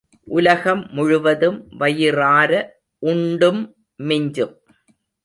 உலகம் முழுதும் வயிறார உண்டும் மிஞ்சும்.